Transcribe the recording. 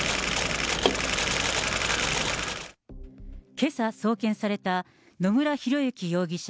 けさ送検された、野村広之容疑者